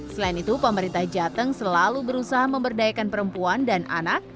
selain itu pemerintah jateng selalu berusaha memberdayakan perempuan dan anak